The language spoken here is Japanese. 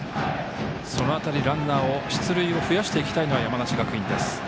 その辺り、ランナーの出塁を増やしていきたいのは山梨学院です。